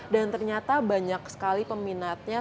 ternyata banyak sekali peminatnya